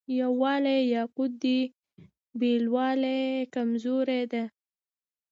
یووالی قوت دی بېلوالی کمزوري ده.